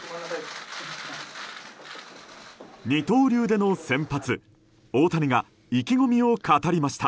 二刀流での先発大谷が意気込みを語りました。